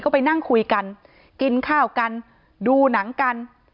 ก็ไปนั่งคุยกันกินข้าวกันดูหนังกัน